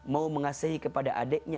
mau mengasihi kepada adiknya